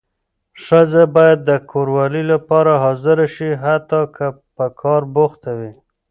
ښځه باید د کوروالې لپاره حاضره شي حتی که په کار بوخته وي.